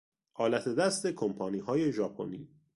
آلت دست کمپانیهای ژاپنی